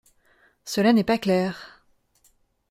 Cela n’est pas clair…